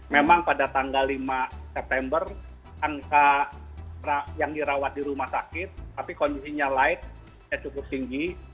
memang pada tanggal lima september angka yang dirawat di rumah sakit tapi kondisinya light cukup tinggi